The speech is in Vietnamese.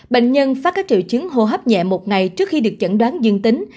bệnh nhân phát các triệu chứng hô hấp nhẹ một ngày trước khi được chẩn đoán dương tính